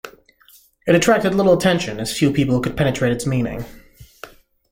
It attracted little attention, as few people could penetrate its meaning.